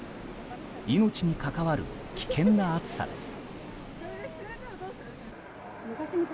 命に関わる危険な暑さです。